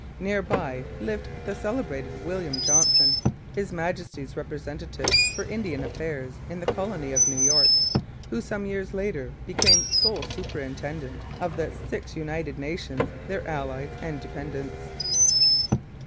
Near by lived the celebrated William Johnson, His Majesty's representative for Indian Affairs in the colony of New York, who some years later became sole superintendent of 'the six united nations, their allies and dependents.'